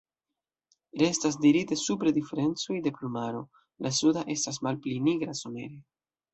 Restas dirite supre diferencoj de plumaro: la suda estas malpli nigra somere.